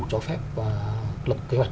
cho phép lập kế hoạch